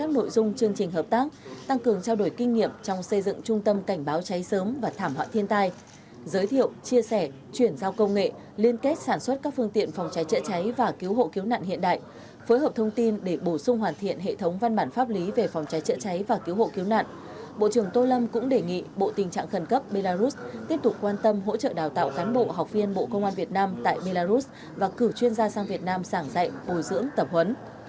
bộ trưởng tô lâm cũng đề nghị bộ tình trạng khẩn cấp belarus tiếp tục quan tâm hỗ trợ đào tạo cán bộ học viên bộ công an việt nam tại belarus và cử chuyên gia sang việt nam sảng dạy bồi dưỡng tập huấn